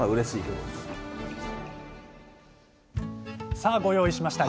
さあご用意しました。